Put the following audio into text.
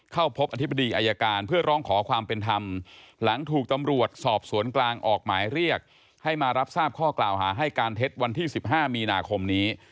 เข้าพบอธิบดีอายการเพื่อร้องขอความเป็นธรรมหลังถูกตำรวจสอบสวนกลางออกหมายเรียกให้มารับทราบข้อกล่าวหาให้การเท็จวันที่๑๕มีนาคมนี้